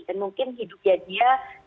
dan mungkin hidupnya dia